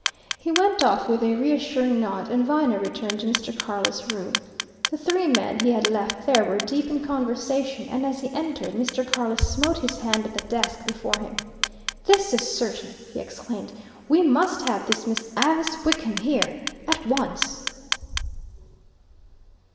He went off with a reassuring nod, and Viner returned to Mr. Carless' room. The three men he had left there were deep in conversation, and as he entered, Mr. Carless smote his hand on the desk before him. "This is certain!" he exclaimed. "We must have this Miss Avice Wickham here at once!"